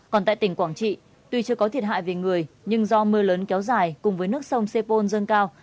còn tại tỉnh quảng trị tuy chưa có thiệt hại về người nhưng do mưa lớn kéo dài cùng với nước sông sepol dâng cao